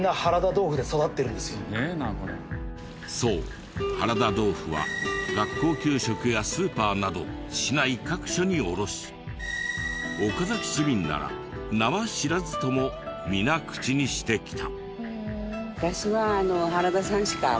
そう原田豆腐は学校給食やスーパーなど市内各所に卸し岡崎市民なら名は知らずとも皆口にしてきた。